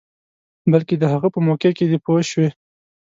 بلکې د هغه په موقع کې دی پوه شوې!.